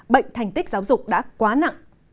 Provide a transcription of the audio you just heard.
bệnh thành tích giáo dục đã quá nặng